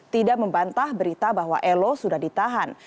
tidak membantah berita bahwa elo sudah ditahan